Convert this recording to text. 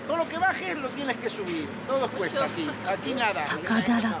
坂だらけ。